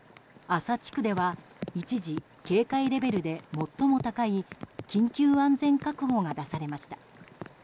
厚狭地区では一時、警戒レベルで最も高い緊急安全確保が出されました。